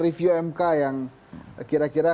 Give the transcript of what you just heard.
review mk yang kira kira